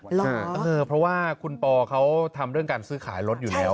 เพราะว่าคุณปอเขาทำเรื่องการซื้อขายรถอยู่แล้ว